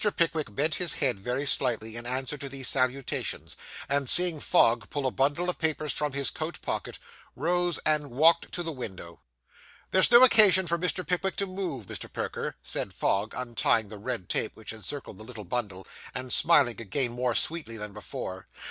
Pickwick bent his head very slightly, in answer to these salutations, and, seeing Fogg pull a bundle of papers from his coat pocket, rose and walked to the window. 'There's no occasion for Mr. Pickwick to move, Mr. Perker,' said Fogg, untying the red tape which encircled the little bundle, and smiling again more sweetly than before.